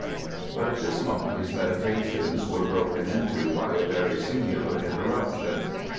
But at this moment his meditations were broken into by a very singular interruption.